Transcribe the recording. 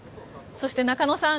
そして、中野さん